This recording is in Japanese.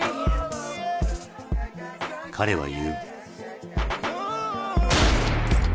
彼は言う。